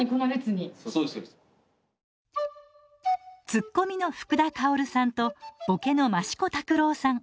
ツッコミの福田薫さんとボケの益子卓郎さん。